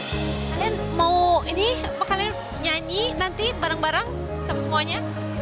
kalian mau ini apa kalian nyanyi nanti bareng bareng sama semuanya